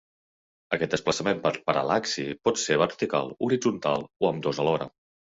Aquest desplaçament per paral·laxi pot ser vertical, horitzontal o ambdós alhora.